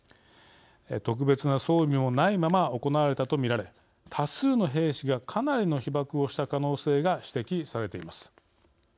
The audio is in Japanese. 特別な装備もないまま行われたと見られ多数の兵士がかなりの被ばくをした可能性が指摘されています。